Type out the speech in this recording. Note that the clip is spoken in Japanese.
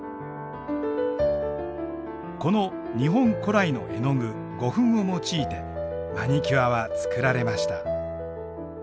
この日本古来の絵の具胡粉を用いてマニキュアは作られました。